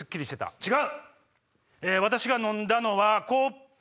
違う！